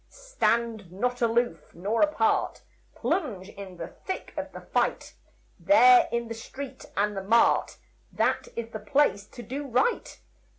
Stand not aloof nor apart, Plunge in the thick of the fight. There in the street and the mart, That is the place to do right.